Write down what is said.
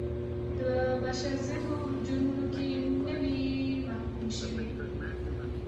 د بشر ضد جرمونو کې نه وي محکوم شوي.